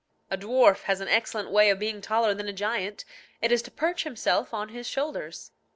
A dwarf has an excellent way of being taller than a giant: it is to perch himself on his shoulders.